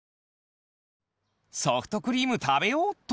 ソフトクリームたべようっと！